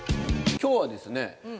今日はですね